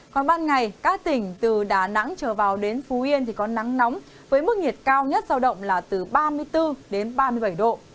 còn ban ngày các tỉnh từ đà nẵng trở vào đến phú yên thì có nắng nóng với mức nhiệt cao nhất giao động là từ ba mươi bốn đến ba mươi bảy độ